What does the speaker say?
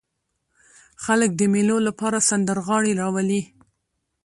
خلک د مېلو له پاره سندرغاړي راولي.